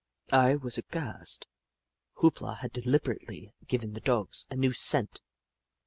I was aghast. Hoop La had deliberately given the Dogs a new scent